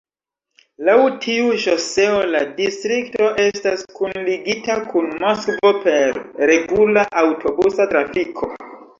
Laŭ tiu ŝoseo la distrikto estas kunligita kun Moskvo per regula aŭtobusa trafiko.